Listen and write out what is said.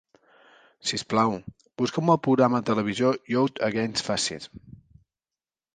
Sisplau, busca'm el programa de televisió Youth Against Fascism.